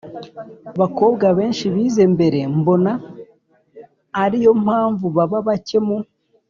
bakobwa benshi bize mbere mbona ari yo mpamvu baba bake mu